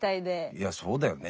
いやそうだよね。